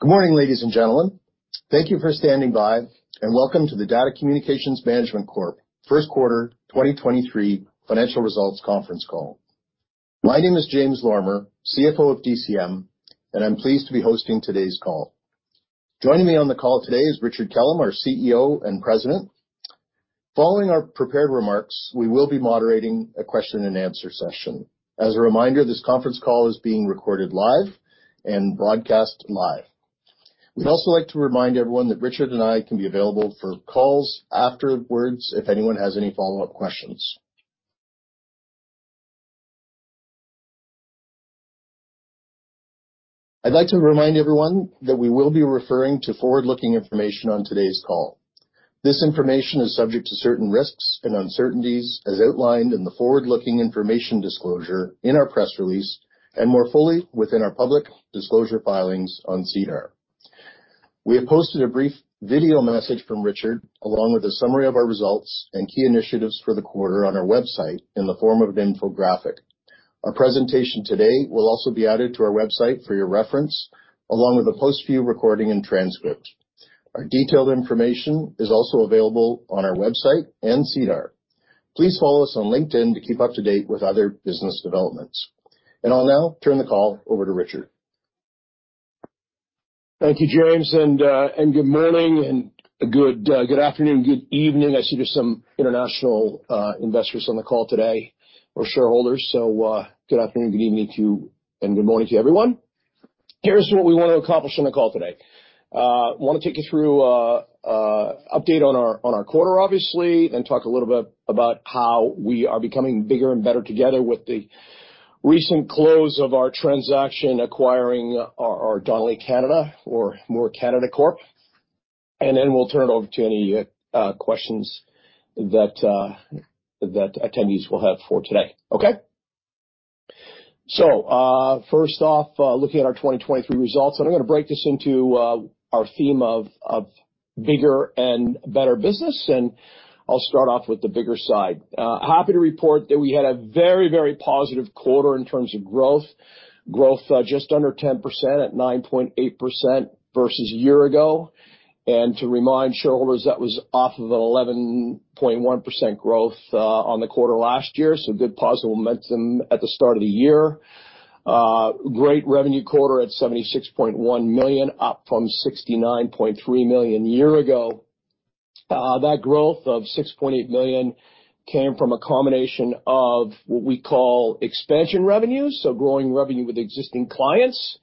Good morning, ladies and gentlemen. Thank you for standing by. Welcome to the DATA Communications Management Corp. first quarter 2023 financial results conference call. My name is James Lorimer, CFO of DCM. I'm pleased to be hosting today's call. Joining me on the call today is Richard Kellam, our CEO and President. Following our prepared remarks, we will be moderating a question-and-answer session. As a reminder, this conference call is being recorded live and broadcast live. We'd also like to remind everyone that Richard and I can be available for calls afterwards if anyone has any follow-up questions. I'd like to remind everyone that we will be referring to forward-looking information on today's call. This information is subject to certain risks and uncertainties, as outlined in the forward-looking information disclosure in our press release and more fully within our public disclosure filings on SEDAR. We have posted a brief video message from Richard, along with a summary of our results and key initiatives for the quarter on our website in the form of an infographic. Our presentation today will also be added to our website for your reference, along with a post-view recording and transcript. Our detailed information is also available on our website and SEDAR. Please follow us on LinkedIn to keep up to date with other business developments. I'll now turn the call over to Richard. Thank you, James, good morning and good afternoon, good evening. I see there's some international investors on the call today or shareholders, good afternoon, good evening to you, and good morning to everyone. Here's what we wanna accomplish on the call today. We wanna take you through an update on our quarter, obviously, and talk a little bit about how we are becoming bigger and better together with the recent close of our transaction acquiring our RRD Canada or Moore Canada Corp. Then we'll turn it over to any questions that attendees will have for today. Okay? First off, looking at our 2023 results, I'm gonna break this into our theme of bigger and better business. I'll start off with the bigger side. Happy to report that we had a very, very positive quarter in terms of growth. Growth, just under 10%, at 9.8% versus a year ago. To remind shareholders, that was off of an 11.1% growth on the quarter last year, good positive momentum at the start of the year. Great revenue quarter at $76.1 million, up from $69.3 million a year ago. That growth of $6.8 million came from a combination of what we call expansion revenues, growing revenue with existing clients,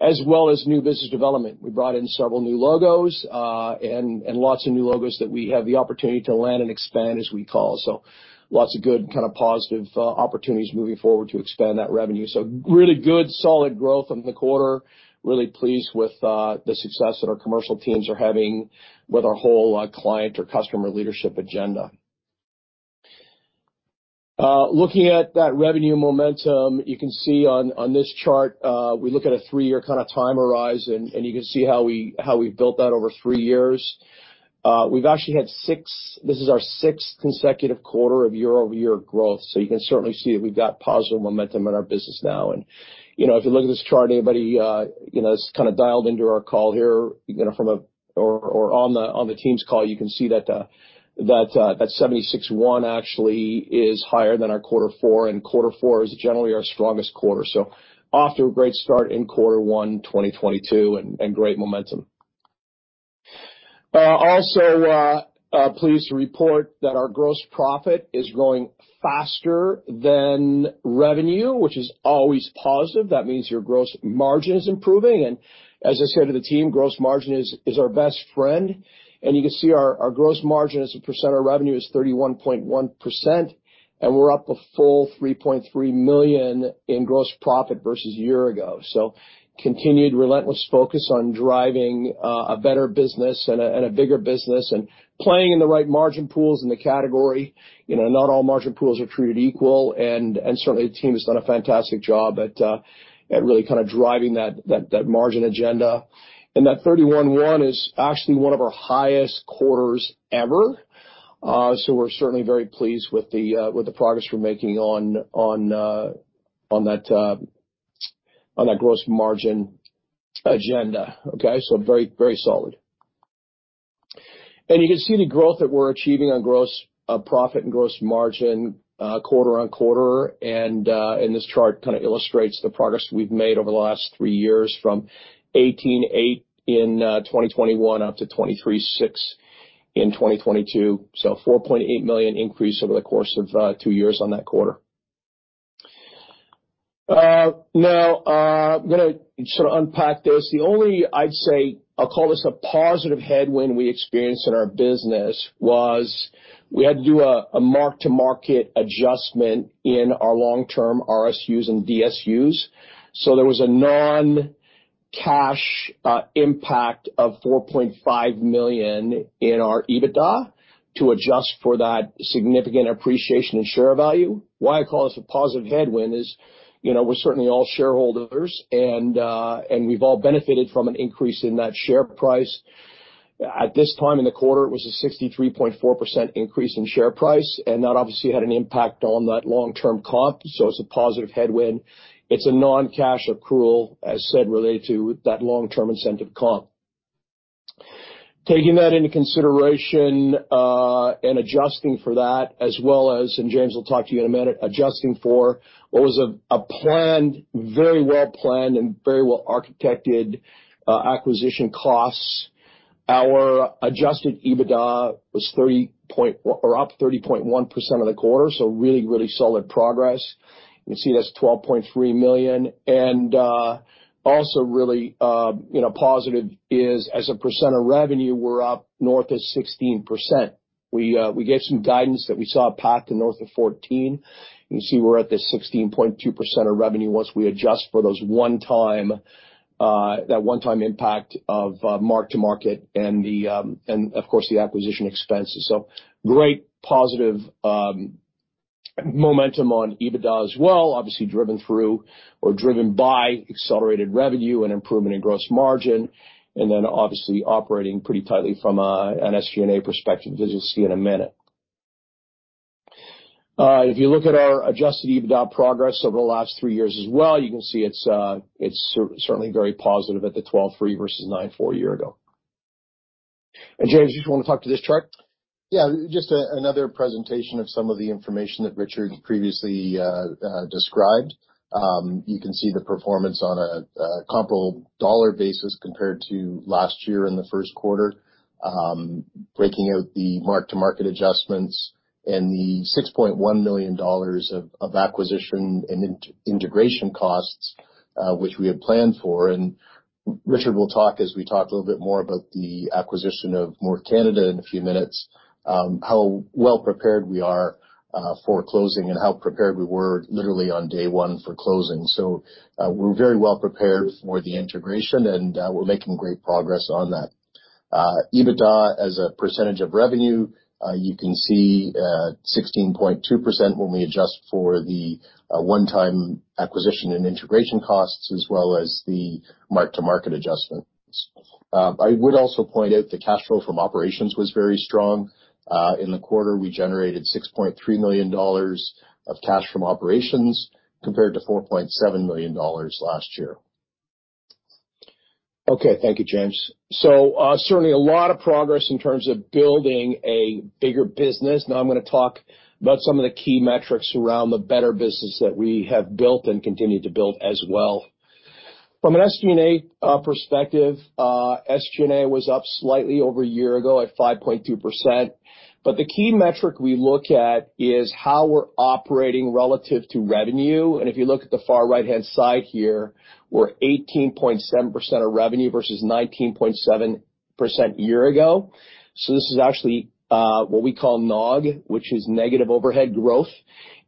as well as new business development. We brought in several new logos, and lots of new logos that we have the opportunity to land and expand as we call. Lots of good, kinda positive opportunities moving forward to expand that revenue. Really good, solid growth in the quarter. Really pleased with the success that our commercial teams are having with our whole client or customer leadership agenda. Looking at that revenue momentum, you can see on this chart, we look at a 3-year kinda time horizon, and you can see how we, how we've built that over 3 years. We've actually had this is our sixth consecutive quarter of year-over-year growth, so you can certainly see we've got positive momentum in our business now. You know, if you look at this chart, anybody, you know, that's kinda dialed into our call here, you know, on the Teams call, you can see that 76.1 actually is higher than our quarter four, and quarter four is generally our strongest quarter. Off to a great start in quarter one, 2022, and great momentum. Also, pleased to report that our gross profit is growing faster than revenue, which is always positive. That means your gross margin is improving. As I say to the team, gross margin is our best friend. You can see our gross margin as a percent of revenue is 31.1%, and we're up a full $3.3 million in gross profit versus a year ago. Continued relentless focus on driving a better business and a bigger business and playing in the right margin pools in the category. You know, not all margin pools are treated equal. Certainly, the team has done a fantastic job at really kinda driving that, that margin agenda. That 31.1% is actually one of our highest quarters ever. So we're certainly very pleased with the progress we're making on that gross margin agenda. Okay? Very, very solid. You can see the growth that we're achieving on gross profit and gross margin quarter-on-quarter. This chart kinda illustrates the progress we've made over the last three years from 18.8% in 2021 up to 23.6% in 2022. So a $4.8 million increase over the course of two years on that quarter. Now, I'm gonna sort of unpack this. The only, I'd say, I'll call this a positive headwind we experienced in our business was we had to do a mark-to-market adjustment in our long-term RSUs and DSUs. There was a non-cash impact of $4.5 million in our EBITDA to adjust for that significant appreciation in share value. Why I call this a positive headwind is, you know, we're certainly all shareholders and we've all benefited from an increase in that share price. At this time in the quarter, it was a 63.4% increase in share price, and that obviously had an impact on that long-term comp. It's a positive headwind. It's a non-cash accrual, as said, related to that long-term incentive comp. Taking that into consideration, and adjusting for that as well as, and James will talk to you in a minute, adjusting for what was a planned, very well-planned and very well-architected acquisition costs. Our adjusted EBITDA was up 30.1% of the quarter, really, really solid progress. You can see that's $12.3 million. Also really, you know, positive is as a percent of revenue, we're up north of 16%. We gave some guidance that we saw a path to north of 14%. You can see we're at the 16.2% of revenue once we adjust for those one-time, that one-time impact of mark-to-market and of course, the acquisition expenses. Great positive momentum on EBITDA as well, obviously driven through or driven by accelerated revenue and improvement in gross margin, and then obviously operating pretty tightly from an SG&A perspective, as you'll see in a minute. If you look at our adjusted EBITDA progress over the last three years as well, you can see it's certainly very positive at the $12.3 versus $9.4 a year ago. James, you just wanna talk to this chart? Yeah. Just another presentation of some of the information that Richard previously described. You can see the performance on a comparable dollar basis compared to last year in the first quarter, breaking out the mark-to-market adjustments and the $6.1 million of acquisition and integration costs, which we had planned for. Richard will talk as we talk a little bit more about the acquisition of Moore Canada in a few minutes, how well prepared we are for closing and how prepared we were literally on day one for closing. We're very well prepared for the integration, and we're making great progress on that. EBITDA as a percentage of revenue, you can see, 16.2% when we adjust for the one-time acquisition and integration costs as well as the mark-to-market adjustments. I would also point out the cash flow from operations was very strong. In the quarter, we generated $6.3 million of cash from operations compared to $4.7 million last year. Okay. Thank you, James. Certainly a lot of progress in terms of building a bigger business. Now I'm gonna talk about some of the key metrics around the better business that we have built and continue to build as well. From an SG&A perspective, SG&A was up slightly over a year ago at 5.2%. The key metric we look at is how we're operating relative to revenue. If you look at the far right-hand side here, we're 18.7% of revenue versus 19.7% year ago. This is actually what we call NOG, which is negative overhead growth.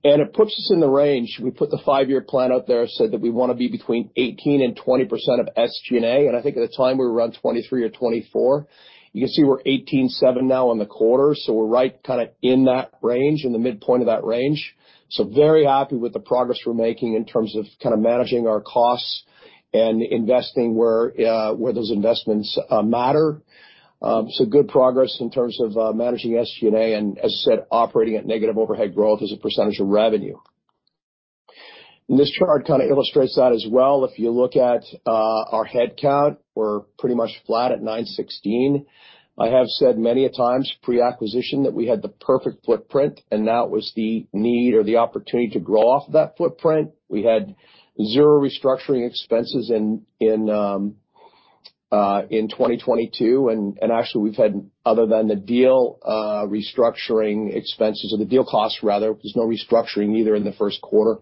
It puts us in the range. We put the 5-year plan out there, said that we wanna be between 18% and 20% of SG&A, and I think at the time, we were around 23% or 24%. You can see we're 18.7% now on the quarter, we're right kinda in that range, in the midpoint of that range. Very happy with the progress we're making in terms of kind of managing our costs and investing where those investments matter. Good progress in terms of managing SG&A and, as I said, operating at negative overhead growth as a percentage of revenue. This chart kinda illustrates that as well. If you look at our headcount, we're pretty much flat at 916. I have said many a times pre-acquisition that we had the perfect footprint, and now it was the need or the opportunity to grow off that footprint. We had 0 restructuring expenses in 2022, and actually we've had other than the deal restructuring expenses or the deal costs rather, there's no restructuring either in the first quarter.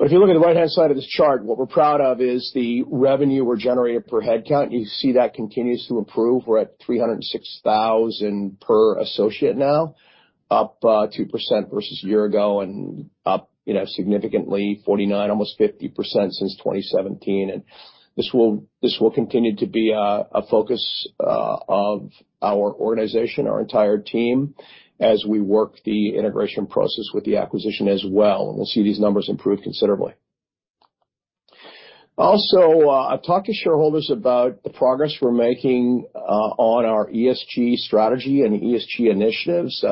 If you look at the right-hand side of this chart, what we're proud of is the revenue we're generating per headcount. You see that continues to improve. We're at $306,000 per associate now, up 2% versus a year ago and up, you know, significantly 49%, almost 50% since 2017. This will continue to be a focus of our organization, our entire team, as we work the integration process with the acquisition as well. We'll see these numbers improve considerably. I've talked to shareholders about the progress we're making on our ESG strategy and ESG initiatives.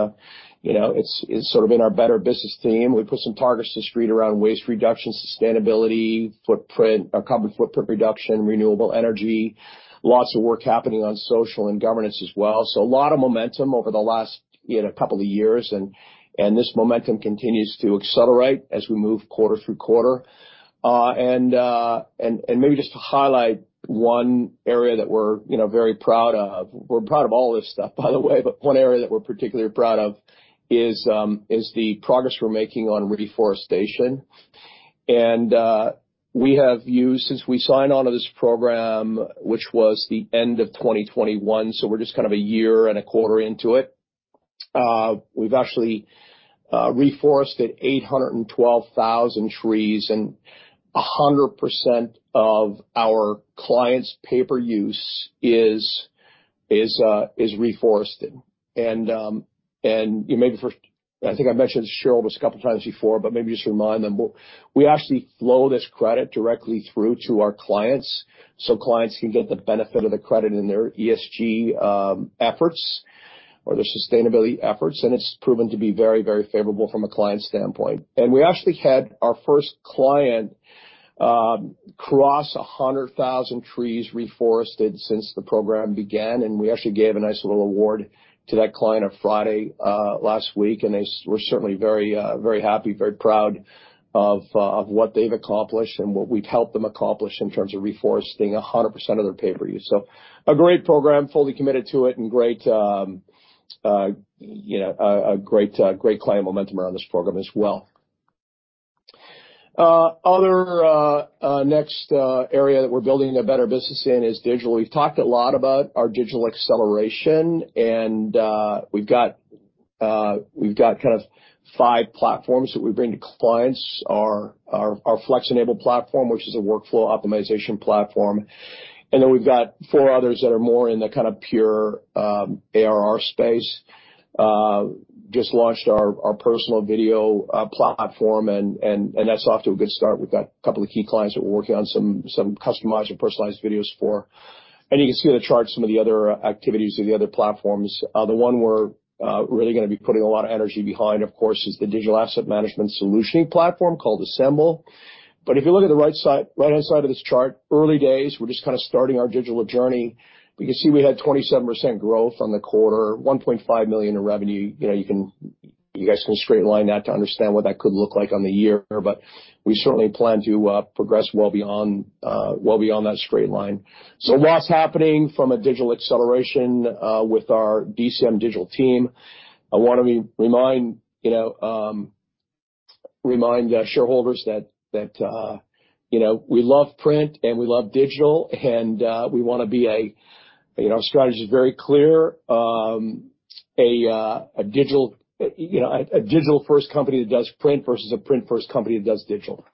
You know, it's sort of in our better business theme. We put some targets to the street around waste reduction, sustainability, footprint, our carbon footprint reduction, renewable energy. Lots of work happening on social and governance as well. A lot of momentum over the last, you know, couple of years and this momentum continues to accelerate as we move quarter through quarter. Maybe just to highlight one area that we're, you know, very proud of. We're proud of all this stuff, by the way, but one area that we're particularly proud of is the progress we're making on reforestation. We have used Since we signed onto this program, which was the end of 2021, so we're just kind of a year and a quarter into it, we've actually reforested 812,000 trees, and 100% of our clients' paper use is reforested. You maybe first I think I mentioned this, Cheryl, just a couple of times before, but maybe just remind them. We actually flow this credit directly through to our clients so clients can get the benefit of the credit in their ESG efforts or their sustainability efforts, and it's proven to be very, very favorable from a client standpoint. We actually had our first client cross 100,000 trees reforested since the program began, and we actually gave a nice little award to that client on Friday last week. They were certainly very happy, very proud of what they've accomplished and what we've helped them accomplish in terms of reforesting 100% of their paper use. A great program, fully committed to it and great, you know, great client momentum around this program as well. Next area that we're building a better business in is digital. We've talked a lot about our digital acceleration and we've got kind of five platforms that we bring to clients. Our Flex-enabled platform, which is a workflow optimization platform. We've got four others that are more in the kind of pure ARR space. Just launched our Personalized Video platform and that's off to a good start. We've got a couple of key clients that we're working on some customized and personalized videos for. You can see in the chart some of the other activities of the other platforms. The one we're really gonna be putting a lot of energy behind, of course, is the digital asset management solutioning platform called ASMBL. If you look at the right-hand side of this chart, early days, we're just kind of starting our digital journey. You can see we had 27% growth on the quarter, $1.5 million in revenue. You know, you can, you guys can straight line that to understand what that could look like on the year, we certainly plan to progress well beyond well beyond that straight line. Lots happening from a digital acceleration with our DCM digital team. I wanna remind, you know, shareholders that, you know, we love print and we love digital and we wanna be a, you know, our strategy is very clear, a digital, you know, a digital-first company that does print versus a print-first company that does digital.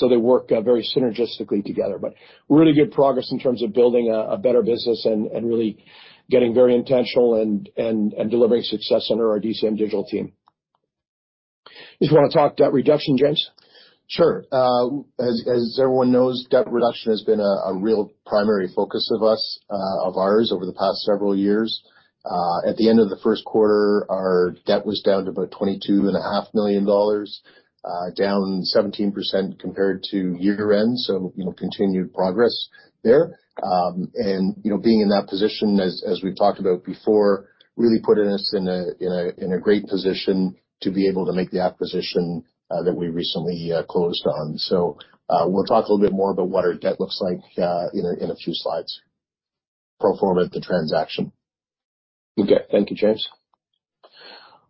They work very synergistically together, but really good progress in terms of building a better business and really getting very intentional and delivering success under our DCM digital team. You just wanna talk debt reduction, James? Sure. As everyone knows, debt reduction has been a real primary focus of us of ours over the past several years. At the end of the first quarter, our debt was down to about $22 and a half million, down 17% compared to year-end, so, you know, continued progress there. You know, being in that position as we've talked about before, really putting us in a great position to be able to make the acquisition that we recently closed on. We'll talk a little bit more about what our debt looks like in a few slides. pro forma at the transaction. Okay. Thank you, James.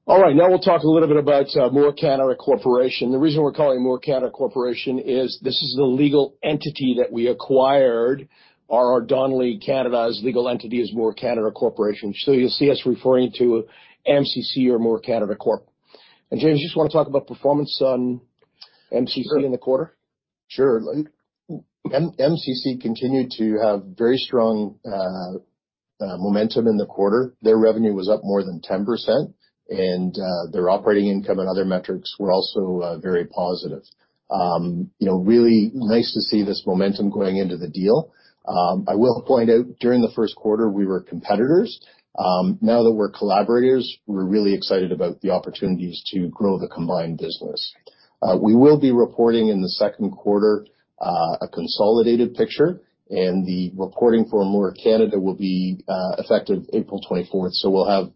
All right. Now we'll talk a little bit about Moore Canada Corporation. The reason we're calling it Moore Canada Corporation is this is the legal entity that we acquired. RRD Canada's legal entity is Moore Canada Corporation. So you'll see us referring to MCC or Moore Canada Corp. James, you just wanna talk about performance on MCC in the quarter? Sure. MCC continued to have very strong momentum in the quarter. Their revenue was up more than 10%, and their operating income and other metrics were also very positive. You know, really nice to see this momentum going into the deal. I will point out, during the first quarter, we were competitors. Now that we're collaborators, we're really excited about the opportunities to grow the combined business. We will be reporting in the second quarter, a consolidated picture, and the reporting for Moore Canada will be effective April 24th. We'll have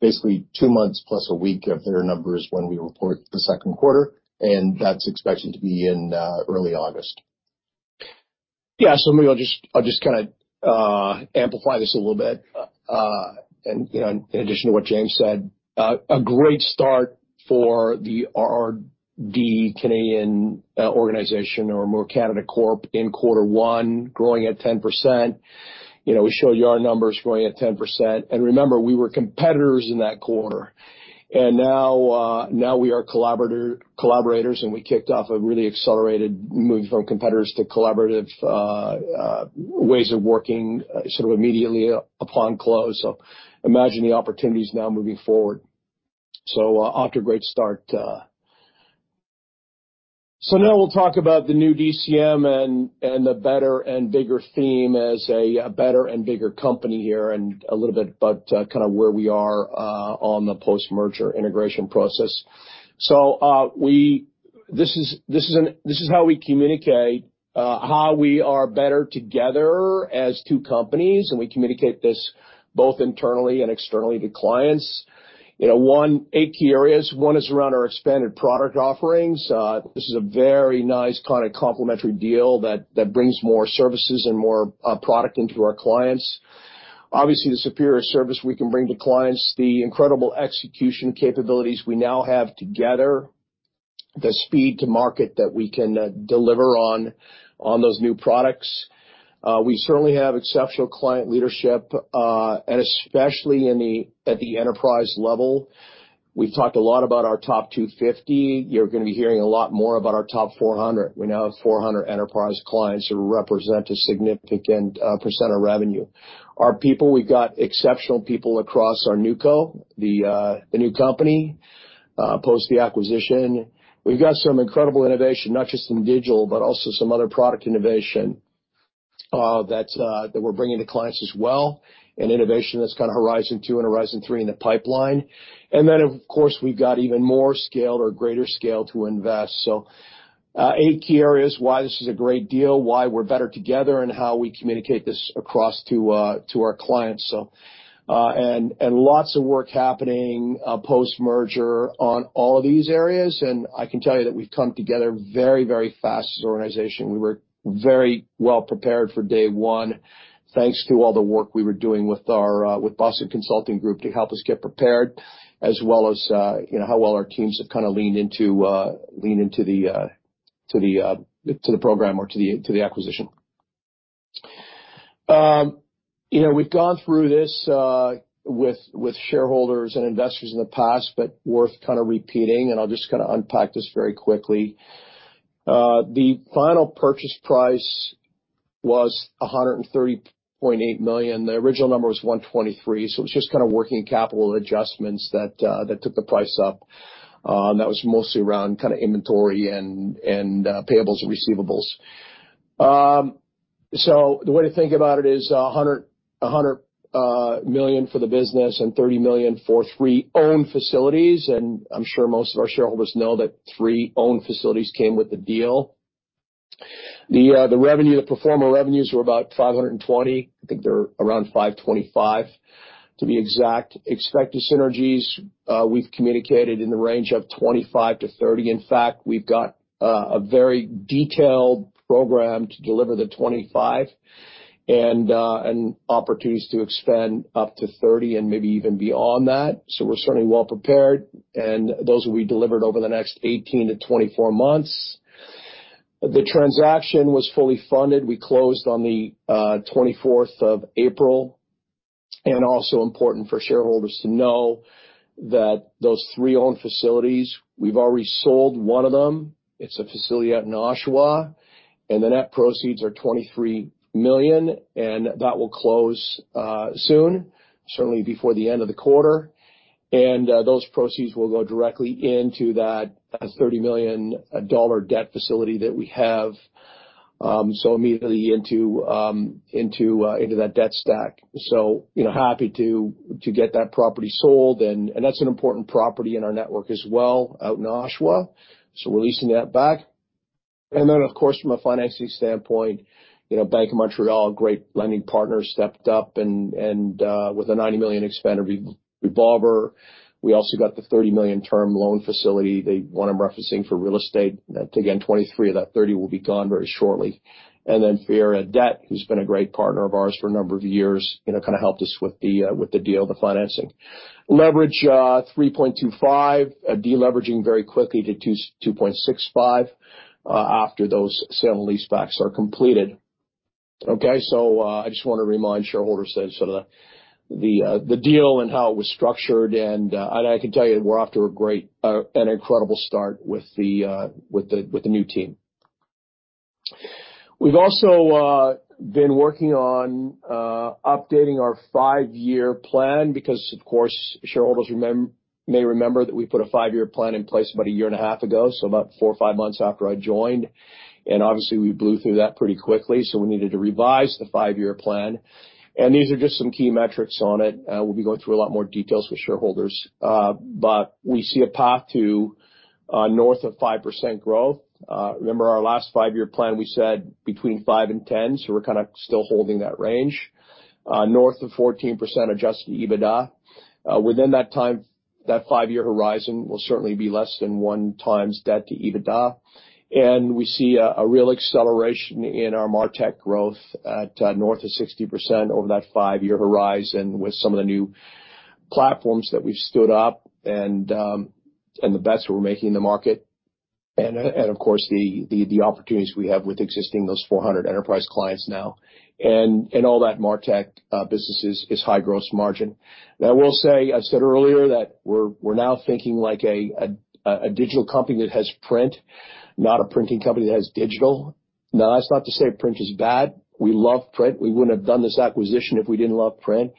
basically 2 months plus a week of their numbers when we report the second quarter, and that's expected to be in early August. Yeah. Maybe I'll just kind of amplify this a little bit, and, you know, in addition to what James said. A great start for the RRD Canada organization or Moore Canada Corporation in quarter one, growing at 10%. You know, we showed you our numbers growing at 10%. Remember, we were competitors in that quarter. Now, now we are collaborators, and we kicked off a really accelerated move from competitors to collaborative ways of working sort of immediately upon close. Imagine the opportunities now moving forward. Off to a great start. Now we'll talk about the new DCM and the better and bigger theme as a better and bigger company here and a little bit about kind of where we are on the post-merger integration process. This is how we communicate how we are better together as two companies, and we communicate this both internally and externally to clients. You know, 8 key areas. 1 is around our expanded product offerings. This is a very nice kind of complementary deal that brings more services and more product into our clients. Obviously, the superior service we can bring to clients, the incredible execution capabilities we now have together, the speed to market that we can deliver on those new products. We certainly have exceptional client leadership, and especially at the enterprise level. We've talked a lot about our top 250. You're gonna be hearing a lot more about our top 400. We now have 400 enterprise clients who represent a significant percent of revenue. Our people, we've got exceptional people across our new co, the new company, post the acquisition. We've got some incredible innovation, not just in digital, but also some other product innovation that's that we're bringing to clients as well, and innovation that's kind of horizon 2 and horizon 3 in the pipeline. Of course, we've got even more scale or greater scale to invest. Eight key areas why this is a great deal, why we're better together, and how we communicate this across to our clients. Lots of work happening post-merger on all of these areas. I can tell you that we've come together very, very fast as an organization. We were very well prepared for day one, thanks to all the work we were doing with our with Boston Consulting Group to help us get prepared, as well as, you know, how well our teams have kinda leaned into the program or to the acquisition. You know, we've gone through this with shareholders and investors in the past, but worth kind of repeating, and I'll just kinda unpack this very quickly. The final purchase price was 130.8 million. The original number was 123, so it's just kind of working capital adjustments that took the price up. That was mostly around kinda inventory and payables and receivables. The way to think about it is $100 million for the business and $30 million for 3 owned facilities, and I'm sure most of our shareholders know that 3 owned facilities came with the deal. The revenue, the pro forma revenues were about $520. I think they're around $525 to be exact. Expected synergies, we've communicated in the range of $25 million-$30 million. In fact, we've got a very detailed program to deliver the $25 million and opportunities to expand up to $30 million and maybe even beyond that. We're certainly well prepared, and those will be delivered over the next 18-24 months. The transaction was fully funded. We closed on the 24th of April. Also important for shareholders to know that those 3 owned facilities, we've already sold one of them. It's a facility out in Oshawa, and the net proceeds are 23 million, and that will close soon, certainly before the end of the quarter. Those proceeds will go directly into that 30 million dollar debt facility that we have, so immediately into that debt stack. You know, happy to get that property sold and that's an important property in our network as well, out in Oshawa. Releasing that back. Of course from a financing standpoint, you know, Bank of Montreal, a great lending partner, stepped up and, with a $90 million expanded revolver. We also got the $30 million term loan facility, the one I'm referencing for real estate. Again, $23 of that $30 will be gone very shortly. Fiera Debt, who's been a great partner of ours for a number of years, you know, kind of helped us with the deal, the financing. Leverage 3.25. Deleveraging very quickly to 2.65 after those sale and lease backs are completed. Okay? I just wanna remind shareholders that sort of the deal and how it was structured. I can tell you we're off to a great. an incredible start with the new team. We've also been working on updating our 5-year plan because, of course, shareholders may remember that we put a 5-year plan in place about a year and a half ago, so about 4 or 5 months after I joined. Obviously, we blew through that pretty quickly, so we needed to revise the 5-year plan. These are just some key metrics on it. We'll be going through a lot more details with shareholders. We see a path to north of 5% growth. Remember our last 5-year plan, we said between 5 and 10, so we're kinda still holding that range. North of 14% adjusted EBITDA. Within that time, that 5-year horizon will certainly be less than 1x debt to EBITDA. We see a real acceleration in our MarTech growth at north of 60% over that 5-year horizon with some of the new platforms that we've stood up and the bets we're making in the market and of course, the opportunities we have with existing those 400 enterprise clients now. All that MarTech business is high gross margin. Now, I will say, I said earlier, that we're now thinking like a digital company that has print, not a printing company that has digital. Now, that's not to say print is bad. We love print. We wouldn't have done this acquisition if we didn't love print.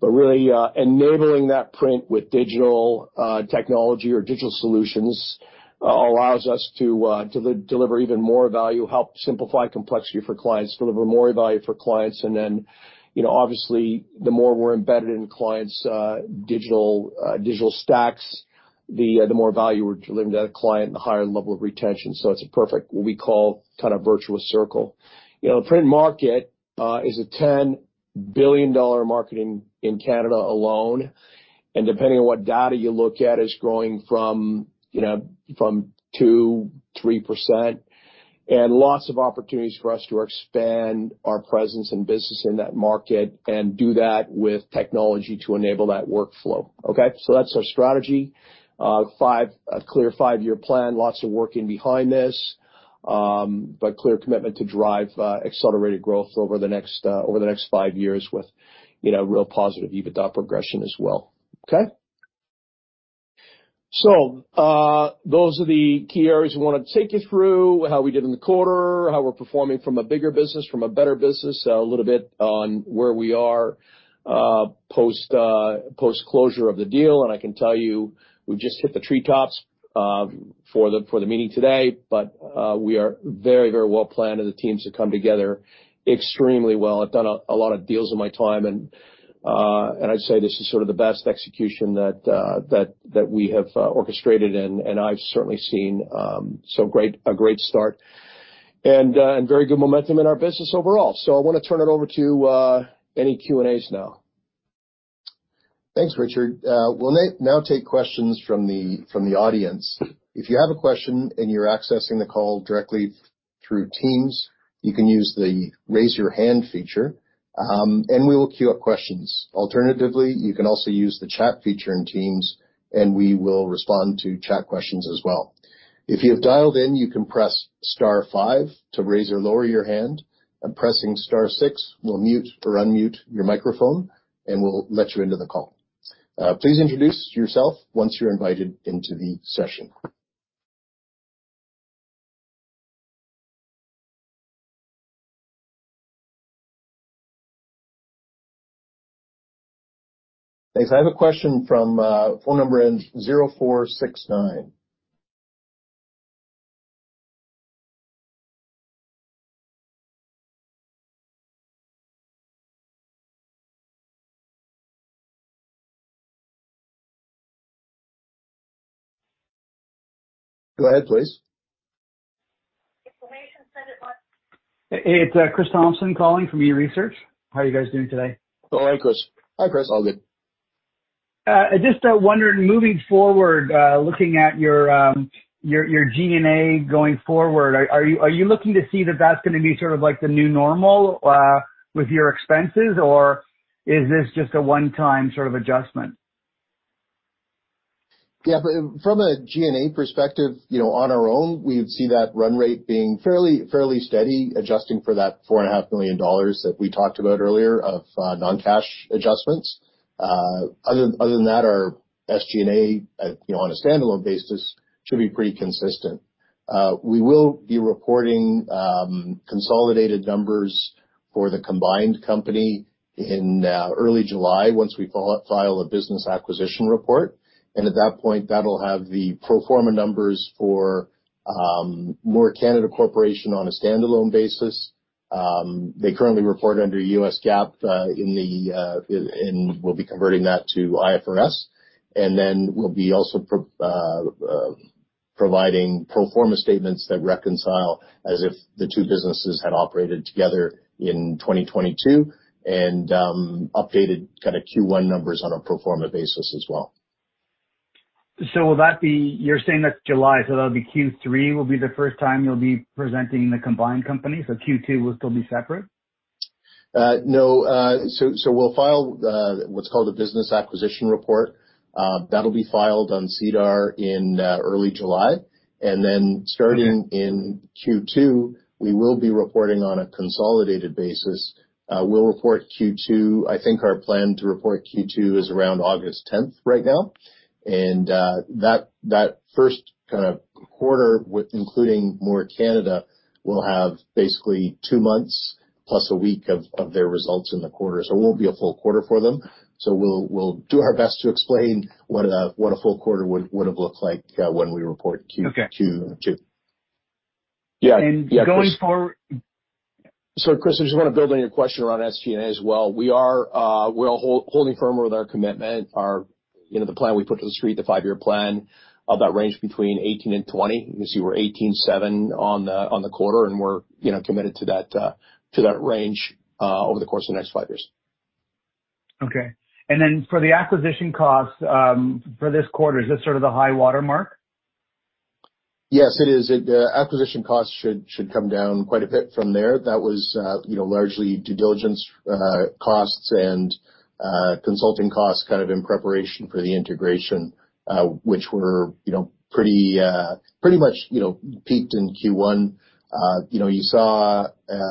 Really, enabling that print with digital technology or digital solutions allows us to deliver even more value, help simplify complexity for clients, deliver more value for clients. Then, you know, obviously, the more we're embedded in clients' digital stacks, the more value we're delivering to that client and the higher level of retention. It's a perfect what we call kind of virtuous circle. You know, the print market is a 10 billion dollar marketing in Canada alone, and depending on what data you look at, is growing from, you know, from 2%, 3%. Lots of opportunities for us to expand our presence and business in that market and do that with technology to enable that workflow. Okay? That's our strategy. A clear five-year plan. Lots of working behind this. Clear commitment to drive accelerated growth over the next five years with, you know, real positive EBITDA progression as well. Okay? Those are the key areas we wanna take you through, how we did in the quarter, how we're performing from a bigger business, from a better business. A little bit on where we are post-closure of the deal. I can tell you, we've just hit the treetops for the meeting today, but we are very, very well-planned, and the teams have come together extremely well. I've done a lot of deals in my time, and I'd say this is sort of the best execution that we have orchestrated, and I've certainly seen. A great start and very good momentum in our business overall. I wanna turn it over to any Q&As now. Thanks, Richard. We'll now take questions from the audience. If you have a question and you're accessing the call directly through Teams, you can use the Raise Your Hand feature, and we will queue up questions. Alternatively, you can also use the chat feature in Teams, and we will respond to chat questions as well. If you have dialed in, you can press star five to raise or lower your hand, and pressing star six will mute or unmute your microphone, and we'll let you into the call. Please introduce yourself once you're invited into the session. Thanks. I have a question from phone number end 0469. Go ahead, please. Information center one. It's, Chris Thompson calling from eResearch. How are you guys doing today? All right, Chris. Hi, Chris. All good. I just wondering, moving forward, looking at your G&A going forward, are you looking to see that that's gonna be sort of like the new normal, with your expenses, or is this just a one-time sort of adjustment? Yeah. From a G&A perspective, you know, on our own, we'd see that run rate being fairly steady, adjusting for that $4.5 million that we talked about earlier of non-cash adjustments. Other than that, our SG&A, you know, on a standalone basis should be pretty consistent. We will be reporting consolidated numbers for the combined company in early July once we file a business acquisition report. At that point, that'll have the pro forma numbers for Moore Canada Corporation on a standalone basis. They currently report under US GAAP, and we'll be converting that to IFRS. We'll be also providing pro forma statements that reconcile as if the two businesses had operated together in 2022 and updated kinda Q1 numbers on a pro forma basis as well. You're saying that's July, so that'll be Q3 will be the first time you'll be presenting the combined company, so Q2 will still be separate? No. We'll file what's called a business acquisition report. That'll be filed on SEDAR in early July. Starting in Q2, we will be reporting on a consolidated basis. We'll report Q2. I think our plan to report Q2 is around August tenth right now. That first kind of quarter, with including Moore Canada, will have basically two months plus a week of their results in the quarter. It won't be a full quarter for them. We'll do our best to explain what a full quarter would've looked like when we report Q2. Yeah. Yeah, Chris. going forwa- Chris, I just wanna build on your question around SG&A as well. We are, we're holding firm with our commitment. Our, you know, the plan we put to the street, the five-year plan of that range between 18% and 20%. You can see we're 18.7% on the, on the quarter, and we're, you know, committed to that, to that range, over the course of the next five years. Okay. For the acquisition costs, for this quarter, is this sort of the high watermark? Yes, it is. It, acquisition costs should come down quite a bit from there. That was, you know, largely due diligence costs and consulting costs kind of in preparation for the integration, which were, you know, pretty much, you know, peaked in Q1. You know, you saw,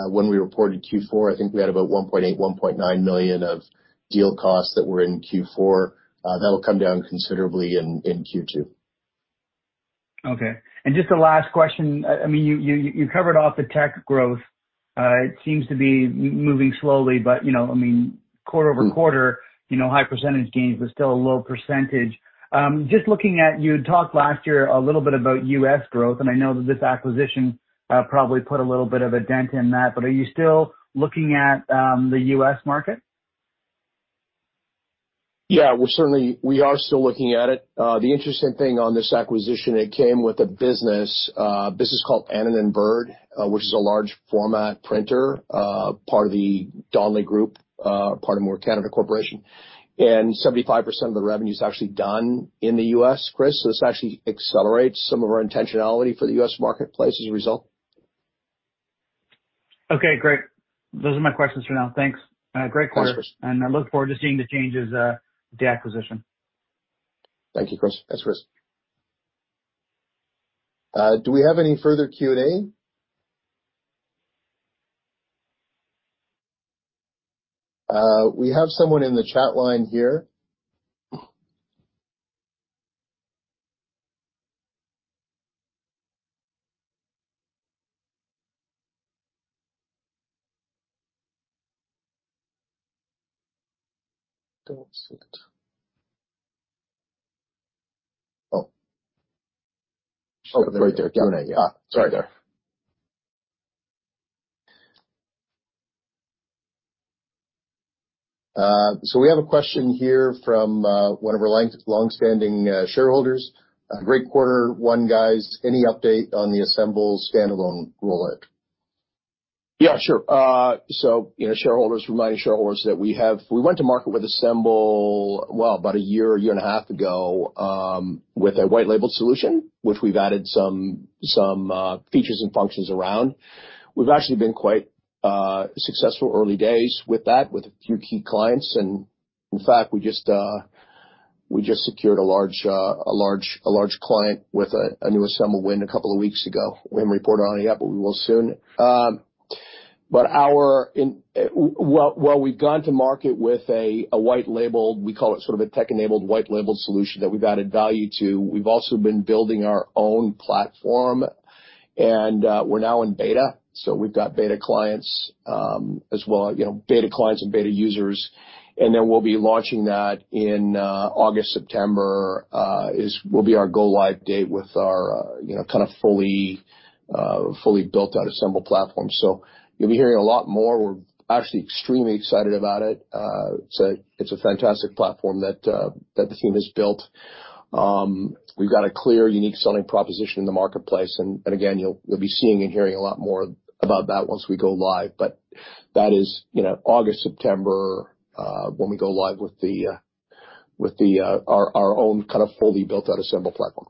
when we reported Q4, I think we had about 1.8 million-1.9 million of deal costs that were in Q4. That'll come down considerably in Q2. Okay. Just a last question. I mean, you covered off the tech growth. It seems to be moving slowly, but, you know, I mean, quarter-over-quarter, you know, high % gains but still a low %. Just looking at, you talked last year a little bit about U.S. growth, I know that this acquisition, probably put a little bit of a dent in that, but are you still looking at, the U.S. market? Yeah. We are still looking at it. The interesting thing on this acquisition, it came with a business called Anton Burtch, which is a large format printer, part of the Donnelley Group, part of Moore Canada Corporation. 75% of the revenue is actually done in the U.S., Chris. This actually accelerates some of our intentionality for the U.S. marketplace as a result. Okay, great. Those are my questions for now. Thanks. Great quarter. Thanks, Chris. I look forward to seeing the changes of the acquisition. Thank you, Chris. Thanks, Chris. Do we have any further Q&A? We have someone in the chat line here. Don't see it. Right there. Q&A. Sorry there. So we have a question here from one of our longstanding shareholders. Great quarter one, guys. Any update on the ASMBL standalone rollout? Yeah, sure. You know, reminding shareholders that we went to market with ASMBL, well, about a year, a year and a half ago, with a white labeled solution, which we've added some features and functions around. We've actually been quite successful early days with that with a few key clients. In fact, we just secured a large client with a new ASMBL win a couple of weeks ago. We haven't reported on it yet, but we will soon. While we've gone to market with a white label, we call it sort of a tech-enabled white label solution that we've added value to, we've also been building our own platform, and we're now in beta. We've got beta clients, as well, you know, beta clients and beta users. Then we'll be launching that in August, September, is will be our go live date with our, you know, kind of fully built out ASMBL platform. You'll be hearing a lot more. We're actually extremely excited about it. It's a fantastic platform that the team has built. We've got a clear, unique selling proposition in the marketplace. Again, you'll be seeing and hearing a lot more about that once we go live. That is, you know, August, September, when we go live with the, with the, our own kind of fully built out ASMBL platform.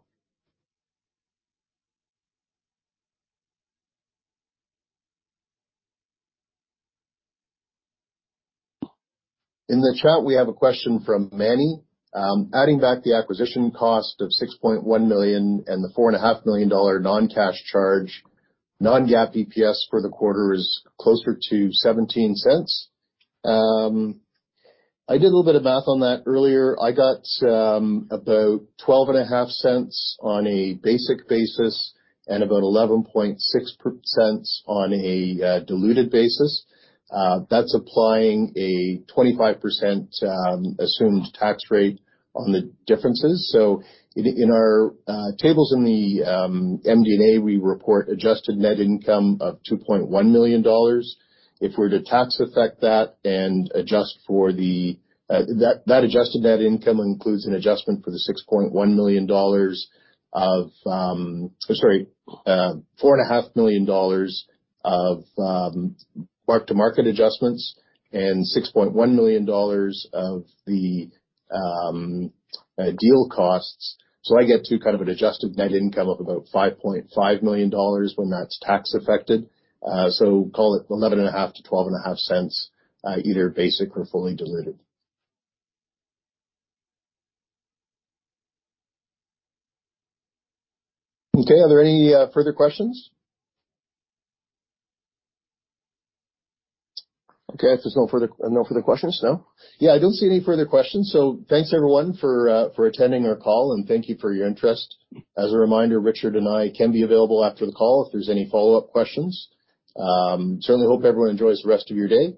In the chat, we have a question from Manny. Adding back the acquisition cost of $6.1 million and the $4.5 million non-cash charge, non-GAAP EPS for the quarter is closer to $0.17. I did a little bit of math on that earlier. I got about $0.125 on a basic basis and about $0.116 on a diluted basis. That's applying a 25% assumed tax rate on the differences. In our tables in the MD&A, we report adjusted net income of $2.1 million. If we're to tax effect that and adjust for that adjusted net income includes an adjustment for the $6.1 million of Sorry, $4.5 million of mark-to-market adjustments and $6.1 million of the deal costs. I get to kind of an adjusted net income of about $5.5 million when that's tax affected. Call it $0.115-$0.125, either basic or fully diluted. Okay. Are there any further questions? Okay, if there's no further questions. Yeah, I don't see any further questions. Thanks everyone for attending our call, and thank you for your interest. As a reminder, Richard and I can be available after the call if there's any follow-up questions. Certainly hope everyone enjoys the rest of your day.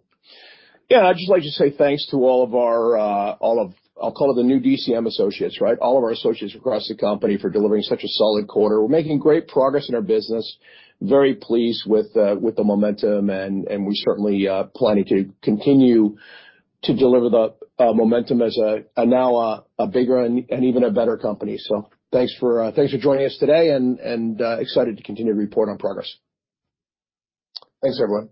Yeah. I'd just like to say thanks to all of our, I'll call it the new DCM associates, right? All of our associates across the company for delivering such a solid quarter. We're making great progress in our business. Very pleased with the momentum, and we certainly planning to continue to deliver the momentum as a now a bigger and even a better company. Thanks for thanks for joining us today and excited to continue to report on progress. Thanks, everyone.